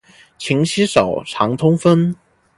勤洗手，常通风。